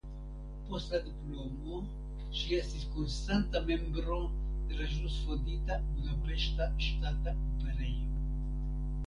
Post la diplomo ŝi estis konstanta membro de la ĵus fondita Budapeŝta Ŝtata Operejo.